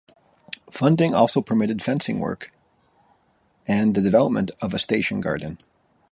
Funding also permitted fencing work, and the development of a station garden.